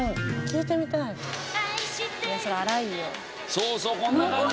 そうそうこんな感じ。